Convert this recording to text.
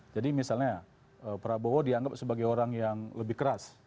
jadi misalnya prabowo dianggap sebagai orang yang lebih keras